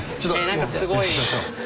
何かすごい。